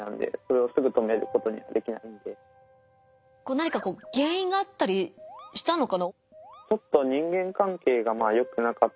何か原因があったりしたのかな？